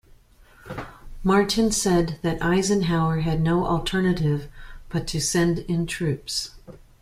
Martin said that Eisenhower had no alternative but to send in troops.